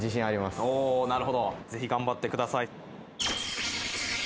おぉなるほどぜひ頑張ってください。